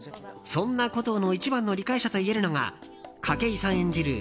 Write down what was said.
そんなコトーの一番の理解者といえるのが筧さん演じる